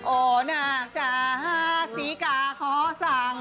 โอ่นางจาฮ้าซีกระขอสั่ง